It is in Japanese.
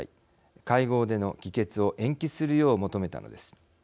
会合での議決を延期するよう求めたのです。